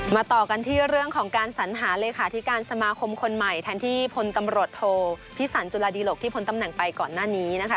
ต่อกันที่เรื่องของการสัญหาเลขาธิการสมาคมคนใหม่แทนที่พลตำรวจโทพิสันจุฬาดีหลกที่พ้นตำแหน่งไปก่อนหน้านี้นะคะ